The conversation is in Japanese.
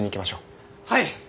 はい！